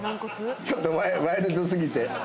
ちょっとワイルド過ぎて。